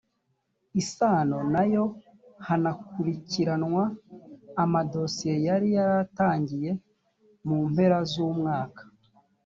isano na yo hanakurikiranwa amadosiye yari yaratangiye mu mpera z umwaka